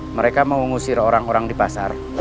mereka mau mengusir orang orang di pasar